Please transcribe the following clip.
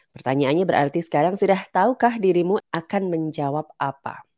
pertanyaannya berarti sekarang sudah tahukah dirimu akan menjawab apa